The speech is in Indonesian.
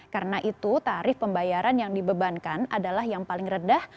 karena itu tarif pembayaran yang dibebankan adalah yang paling rendah